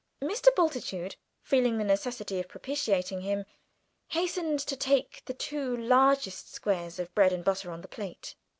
Mr. Bultitude, feeling the necessity of propitiating him, hastened to take the two largest squares of bread and butter on the plate.